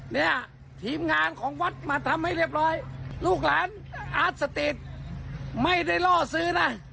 เนี่ยทีมงานของวัดมาทำให้เรียบร้อยลูกหลานอาร์ตสติไม่ได้ล่อซื้อนะ